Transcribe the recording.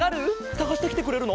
さがしてきてくれるの？